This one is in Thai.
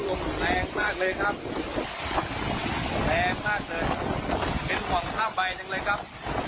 แรงมากเลยเป็นห่วงท่าบใบจังเลยครับ